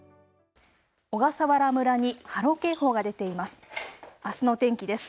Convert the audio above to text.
小笠原村に波浪警報が出ています。